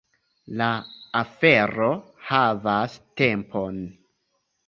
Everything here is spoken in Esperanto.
La afero havas tempon.